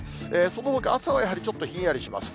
そのほか、朝はやはり、ちょっとひんやりします。